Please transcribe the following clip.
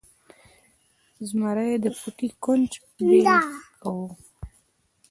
زمري د پټي کونج بیل کاوه.